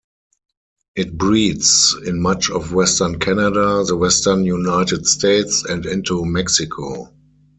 It breeds in much of western Canada, the western United States, and into Mexico.